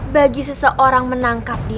bagi seseorang menangkapnya